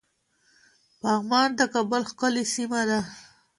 پغمان د کابل ښکلی سيمه ده